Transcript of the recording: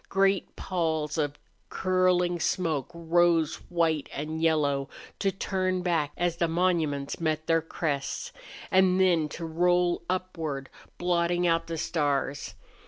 Great palls of curling smoke rose white and yellow, to turn back as the monuments met their crests, and then to roll upward, blotting out the stars.